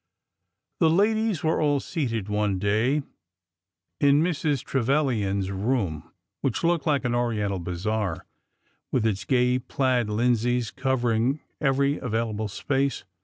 The ladies were all seated one day in Mrs. Trevilian's room, which looked like an Oriental bazaar with its gay plaid linseys covering every available space.